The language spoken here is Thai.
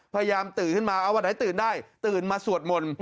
ตื่นขึ้นมาเอาวันไหนตื่นได้ตื่นมาสวดมนต์